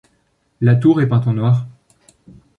La tour est peinte en noir.